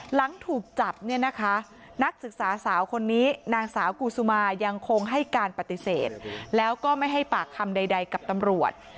หลังถูกจับเนี่ยนะคะนักศึกษาสาวคนนี้นางสาวกูซุมายังคงให้การปฏิเสธแล้วก็ไม่ให้ปากคำใดกับตำรวจ